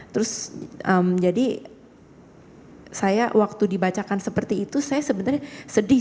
terus jadi saya waktu dibacakan seperti itu saya sebenarnya sedih